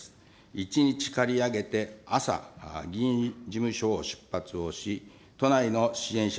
１日借り上げて朝、議員事務所を出発をし、都内の支援者